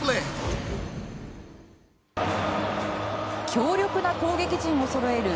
強力な攻撃陣をそろえる